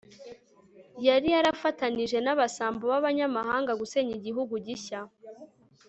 yari yarafatanije nabasambo b'abanyamahanga gusenya igihugu gishya